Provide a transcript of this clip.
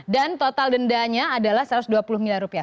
dan total dendanya adalah satu ratus dua puluh miliar rupiah